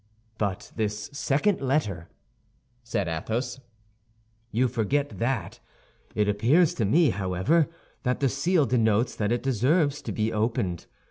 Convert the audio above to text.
"But this second letter," said Athos, "you forget that; it appears to me, however, that the seal denotes that it deserves to be opened.